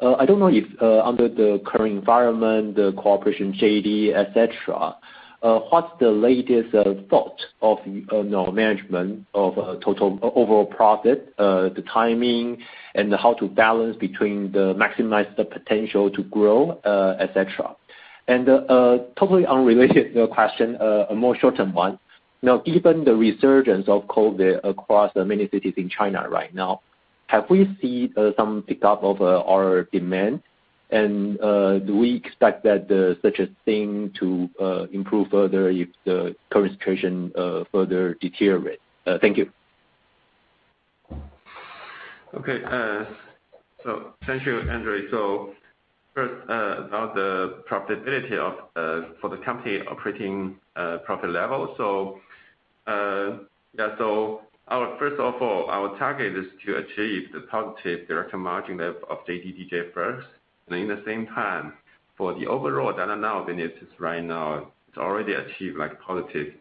I don't know if, under the current environment, the cooperation JD, etc., what's the latest, thought of, you know, management of, total overall profit, the timing and how to balance between maximizing the potential to grow, etc.? Totally unrelated question, a more short-term one. Now, given the resurgence of COVID across many cities in China right now, have we seen some pickup of our demand? Do we expect that such a thing to improve further if the current situation further deteriorate? Thank you. Okay, thank you, Andre. First, about the profitability for the company operating profit level. Yeah, first of all, our target is to achieve the positive direct margin of JDDJ first. In the same time, for the overall Dada Now business right now, it's already achieved like positive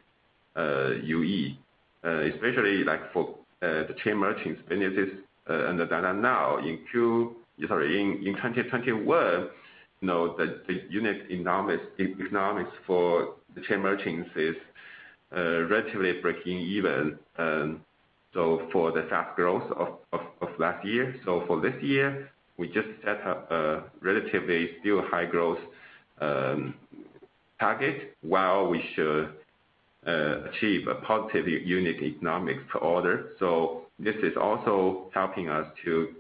UE, especially like for the chain merchants businesses under Dada Now. In 2021, you know, the unit economics for the chain merchants is relatively breaking even, so for the fast growth of last year. For this year, we just set up a relatively still high growth target while we should achieve a positive unit economics for order. This is also helping us to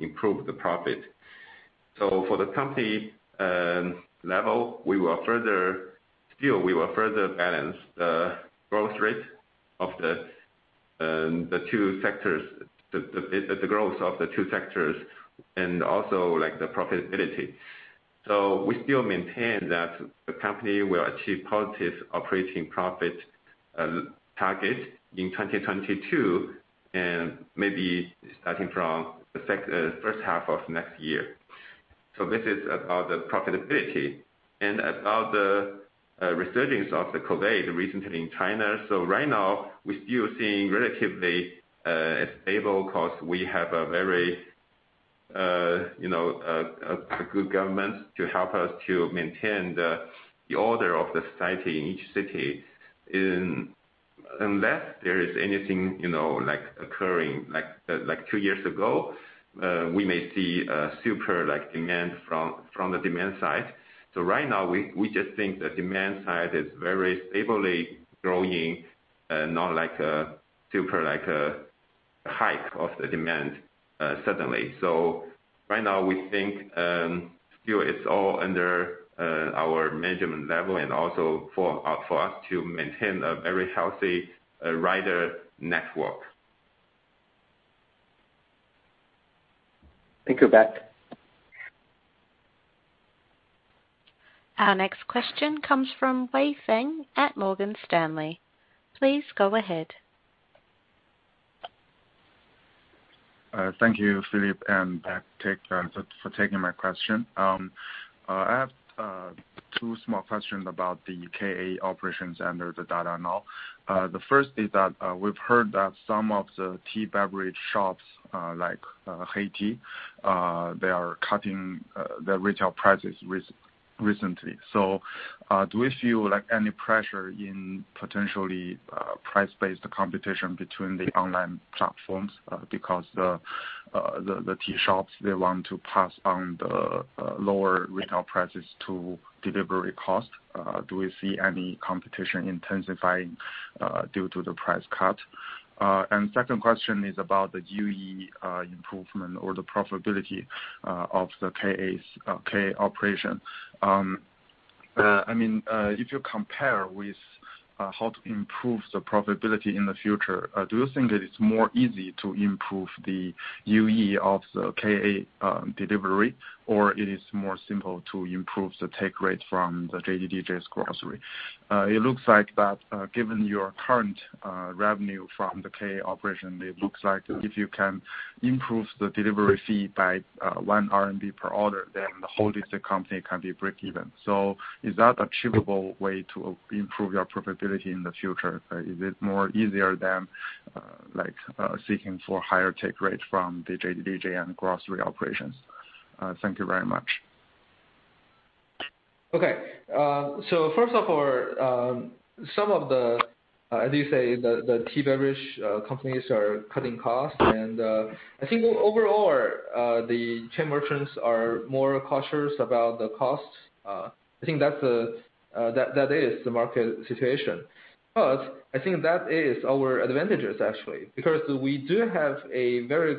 improve the profit. For the company level, we will still further balance the growth rate of the two sectors and also like the profitability. We still maintain that the company will achieve positive operating profit target in 2022 and maybe starting from the first half of next year. This is about the profitability. About the resurgence of the COVID recently in China. Right now we're still seeing relatively stable costs. We have a very you know a good government to help us to maintain the order of the society in each city. Unless there is anything you know like occurring like two years ago, we may see a super like demand from the demand side. Right now we just think the demand side is very stably growing, not like a super like a hike of the demand, suddenly. Right now we think still it's all under our management level and also for us to maintain a very healthy rider network. Thank you, Beck. Our next question comes from Wei Fang at Morgan Stanley. Please go ahead. Thank you, Philip and Beck, for taking my question. I have two small questions about the KA operations under the Dada Now. The first is that we've heard that some of the tea beverage shops, like HEYTEA, they are cutting their retail prices recently. Do you feel like any pressure in potentially price-based competition between the online platforms, because the tea shops, they want to pass on the lower retail prices to delivery cost? Do we see any competition intensifying due to the price cut? And second question is about the UE improvement or the profitability of the KA operation. I mean, if you compare with how to improve the profitability in the future, do you think that it's more easy to improve the UE of the KA delivery, or it is more simple to improve the take rate from the JDDJ's grocery? It looks like that, given your current revenue from the KA operation, it looks like if you can improve the delivery fee by 1 RMB per order, then the whole of the company can be breakeven. Is that achievable way to improve your profitability in the future? Is it more easier than, like, seeking for higher take rate from the JDDJ and grocery operations? Thank you very much. Okay. First of all, some of the, as you say, the tea beverage companies are cutting costs. I think overall, the chain merchants are more cautious about the costs. I think that's the market situation. I think that is our advantages actually, because we do have a very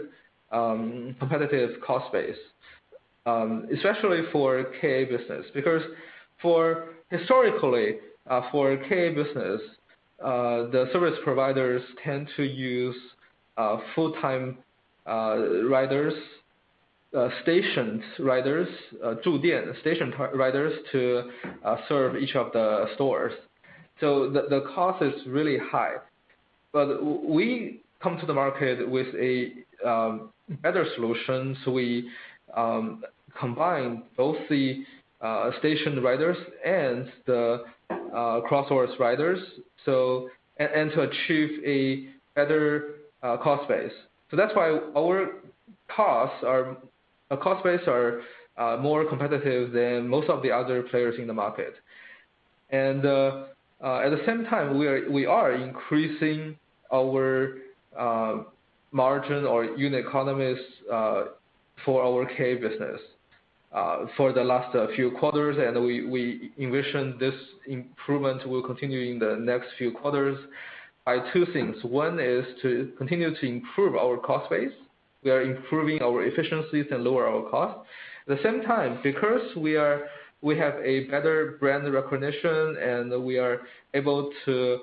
competitive cost base, especially for KA business. Historically, for KA business, the service providers tend to use full-time riders, stationed riders to serve each of the stores. The cost is really high. We come to the market with a better solution. We combine both the stationed riders and the cross-border riders to achieve a better cost base. That's why our cost base is more competitive than most of the other players in the market. At the same time, we are increasing our margin or unit economies for our KA business for the last few quarters, and we envision this improvement will continue in the next few quarters by two things. One is to continue to improve our cost base. We are improving our efficiencies and lower our costs. At the same time, because we have a better brand recognition, and we are able to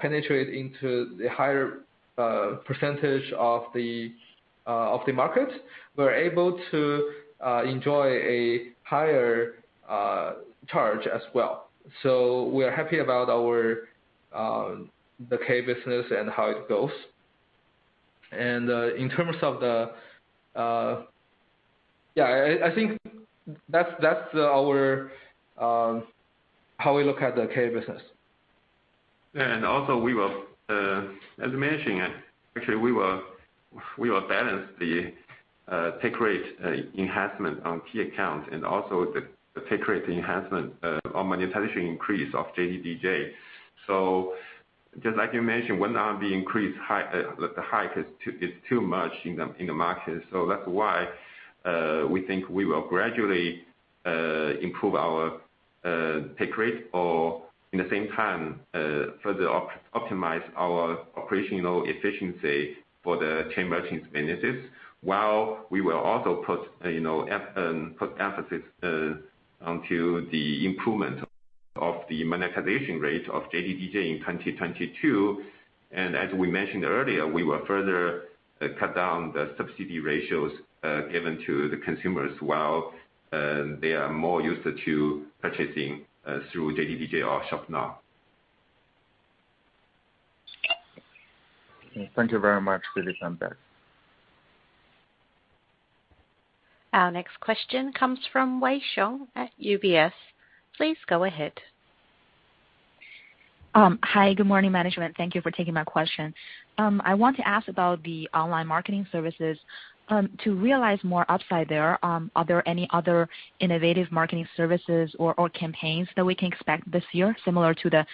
penetrate into the higher percentage of the market, we're able to enjoy a higher charge as well. We are happy about our KA business and how it goes. In terms of the... Yeah, I think that's how we look at the KA business. As mentioned, actually we will balance the take rate enhancement on key accounts and also the take rate enhancement on monetization increase of JDDJ. Just like you mentioned, when RMB increase high, the hike is too much in the market. That's why we think we will gradually improve our take rate at the same time further optimize our operational efficiency for the chain merchants businesses, while we will also put, you know, emphasis onto the improvement of the monetization rate of JDDJ in 2022. As we mentioned earlier, we will further cut down the subsidy ratios given to the consumers while they are more used to purchasing through JDDJ or Shop Now. Thank you very much. Philip and Beck. Our next question comes from Wei Xiong at UBS. Please go ahead. Hi, good morning management. Thank you for taking my question. I want to ask about the online marketing services. To realize more upside there, are there any other innovative marketing services or campaigns that we can expect this year, similar to the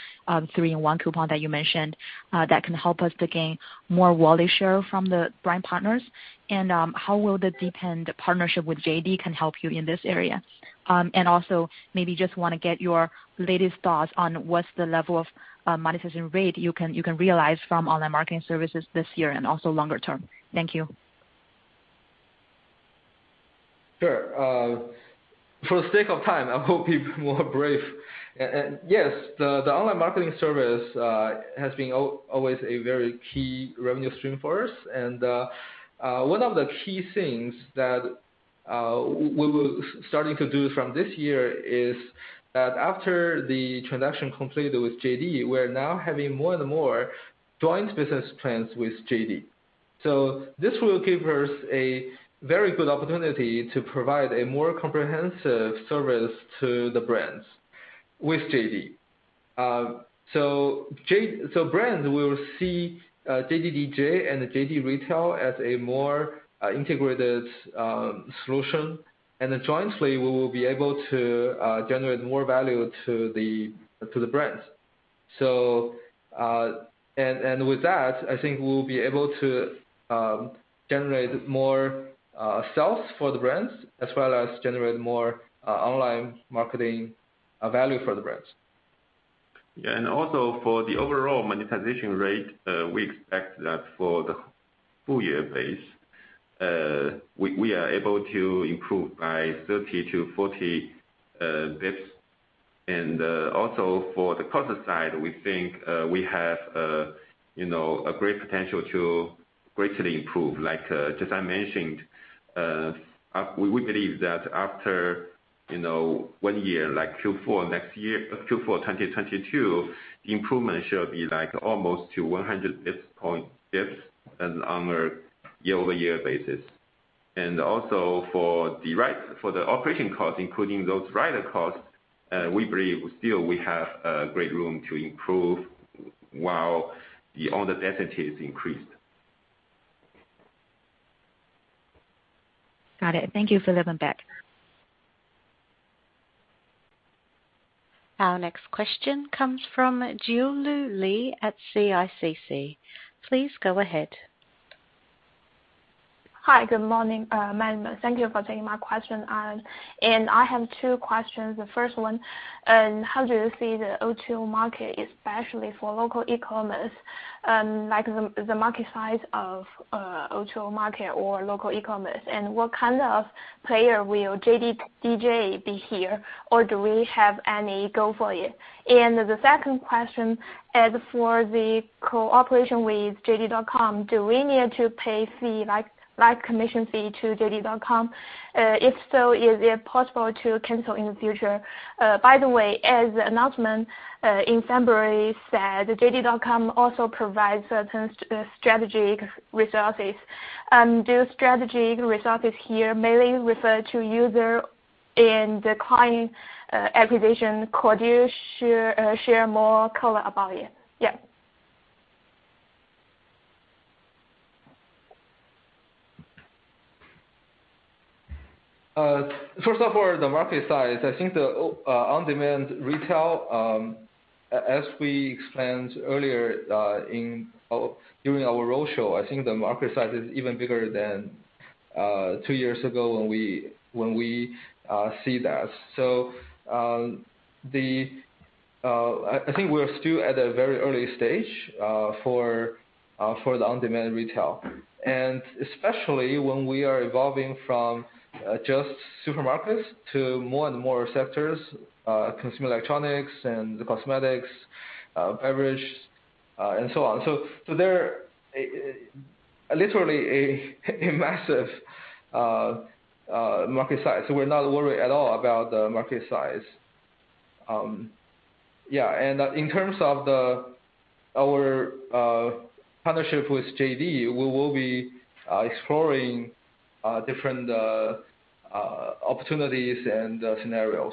three-in-one coupon that you mentioned, that can help us to gain more wallet share from the brand partners? How will the deepened partnership with JD can help you in this area? Also maybe just wanna get your latest thoughts on what's the level of monetization rate you can realize from online marketing services this year and also longer term. Thank you. Sure. For the sake of time, I will be more brief. Yes, the online marketing service has been always a very key revenue stream for us. One of the key things that we will starting to do from this year is that after the transaction completed with JD, we're now having more and more joint business plans with JD. This will give us a very good opportunity to provide a more comprehensive service to the brands with JD. Brands will see JDDJ and JD Retail as a more integrated solution. Jointly, we will be able to generate more value to the brands. With that, I think we'll be able to generate more sales for the brands, as well as generate more online marketing value for the brands. Yeah. Also for the overall monetization rate, we expect that for the full-year basis, we are able to improve by 30-40 basis points. Also for the cost side, we think we have you know, a great potential to greatly improve. Like, as I just mentioned, we believe that after you know, one year, like Q4 next year, Q4 2022, the improvement should be like almost to 100 basis points and on a year-over-year basis. For the operating costs, including those rider costs, we believe still we have a great room to improve while the order density is increased. Got it. Thank you, Philip and Beck. Our next question comes from Julu Lee at CICC. Please go ahead. Hi. Good morning. Thank you for taking my question. I have two questions. The first one, how do you see the O2 market, especially for local e-commerce, like the market size of O2 market or local e-commerce? What kind of player will JDDJ be here? Or do we have any goal for it? The second question is for the cooperation with JD.com, do we need to pay fee like commission fee to JD.com? If so, is it possible to cancel in the future? By the way, as announcement in February said, JD.com also provides certain strategic resources. Do strategic resources here mainly refer to user and the client acquisition? Could you share more color about it? Yeah. First of all, the market size, I think the on-demand retail, as we explained earlier, during our roadshow, I think the market size is even bigger than two years ago when we see that. I think we are still at a very early stage for the on-demand retail. Especially when we are evolving from just supermarkets to more and more sectors, consumer electronics and the cosmetics, beverage, and so on. There is literally a massive market size. We're not worried at all about the market size. Yeah. In terms of our partnership with JD, we will be exploring different opportunities and scenarios.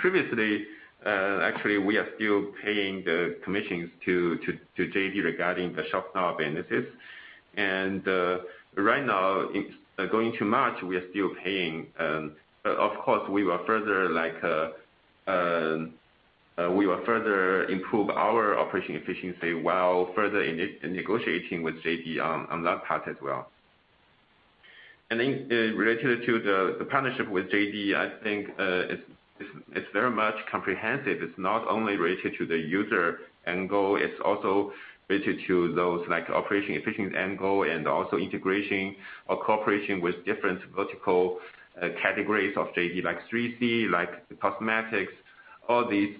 Previously, actually we are still paying the commissions to JD regarding the Shop Now businesses. Right now, going to March, we are still paying. Of course we will further improve our operating efficiency while further negotiating with JD on that part as well. I think related to the partnership with JD, I think it's very much comprehensive. It's not only related to the user angle, it's also related to those like operating efficiency angle and also integration or cooperation with different vertical categories of JD, like 3C, like cosmetics, all these.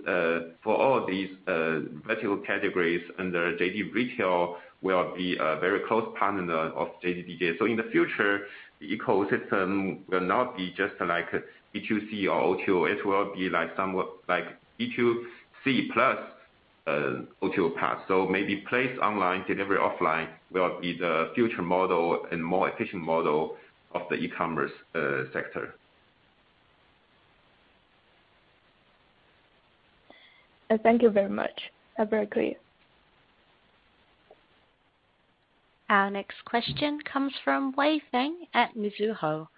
For all these vertical categories under JD Retail will be a very close partner of JDDJ. In the future, the ecosystem will not be just like B2C or O2O. It will be like somewhat like B2C plus O2 path. Maybe place online, delivery offline will be the future model and more efficient model of the e-commerce sector. Thank you very much. Very clear. Our next question comes from Wei Fang at Mizuho.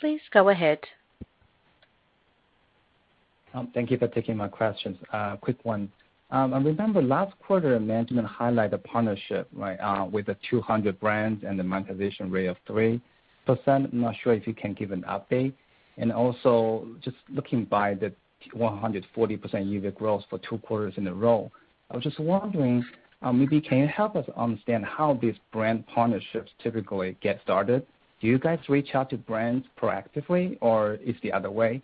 Please go ahead. Thank you for taking my questions. Quick one. I remember last quarter management highlighted partnership, right, with the 200 brands and the monetization rate of 3%. I'm not sure if you can give an update. Also just looking at the 140% year-over-year growth for two quarters in a row. I was just wondering, maybe can you help us understand how these brand partnerships typically get started? Do you guys reach out to brands proactively or it's the other way?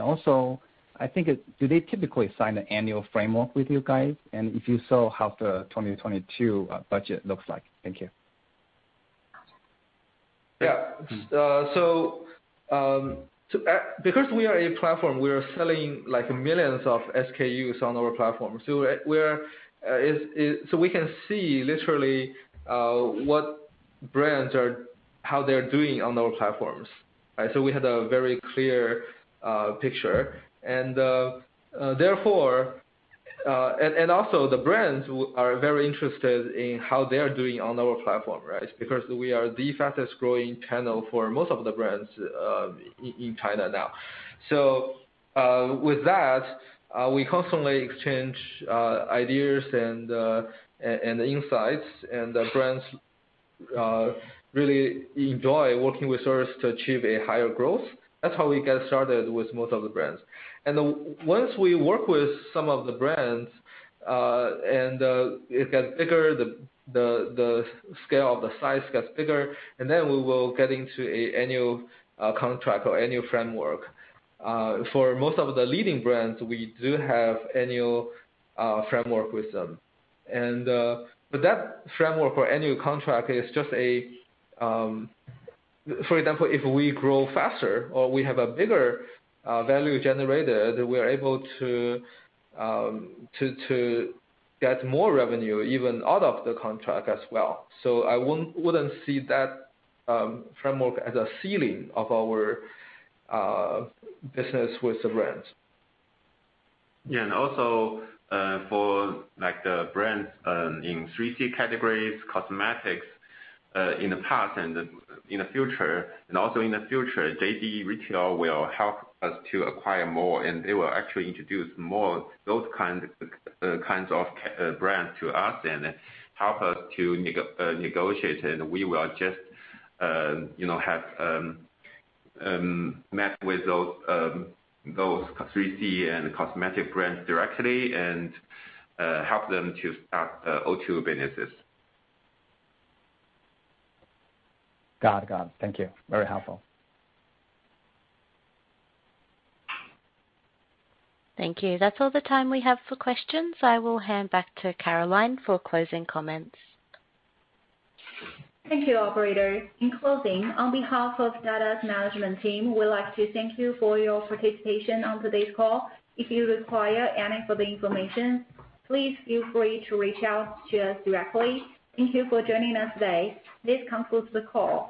Also, I think, do they typically sign an annual framework with you guys? If you saw how the 2022 budget looks like. Thank you. Because we are a platform, we are selling like millions of SKUs on our platform. We can see literally what brands are, how they're doing on our platforms, right? We have a very clear picture and also the brands are very interested in how they are doing on our platform, right? Because we are the fastest growing channel for most of the brands in China now. With that, we constantly exchange ideas and insights and the brands really enjoy working with us to achieve a higher growth. That's how we get started with most of the brands. Once we work with some of the brands, it gets bigger, the scale of the size gets bigger, and then we will get into an annual contract or annual framework. For most of the leading brands, we do have annual framework with them. But that framework or annual contract is just a framework. For example, if we grow faster or we have a bigger value generated, we're able to get more revenue even out of the contract as well. I wouldn't see that framework as a ceiling of our business with the brands. Yeah. Also, for like the brands in 3C categories, cosmetics, in the past and in the future. Also in the future, JD Retail will help us to acquire more, and they will actually introduce more those kinds of brands to us and help us to negotiate, and we will just, you know, have met with those 3C and cosmetic brands directly and help them to start O2O businesses. Got it. Thank you. Very helpful. Thank you. That's all the time we have for questions. I will hand back to Caroline for closing comments. Thank you, operator. In closing, on behalf of Dada's management team, we'd like to thank you for your participation on today's call. If you require any further information, please feel free to reach out to us directly. Thank you for joining us today. This concludes the call.